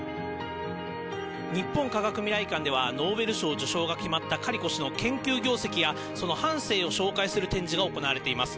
日本科学未来館では、ノーベル賞受賞が決まったカリコ氏の研究業績や、その半生を紹介する展示が行われています。